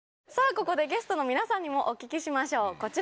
ここでゲストの皆さんにもお聞きしましょうこちら。